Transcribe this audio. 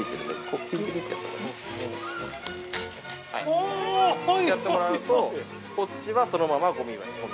こうやってもらうとこっちは、そのままごみ。